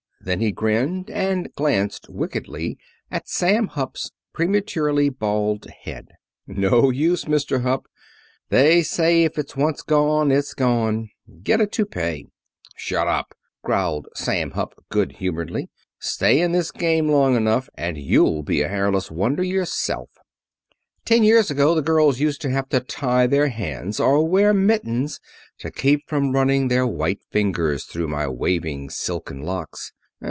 Then he grinned, and glanced wickedly at Sam Hupp's prematurely bald head. "No use, Mr. Hupp. They say if it's once gone it's gone. Get a toupee." "Shut up!" growled Sam Hupp, good humoredly. "Stay in this game long enough and you'll be a hairless wonder yourself. Ten years ago the girls used to have to tie their hands or wear mittens to keep from running their white fingers through my waving silken locks.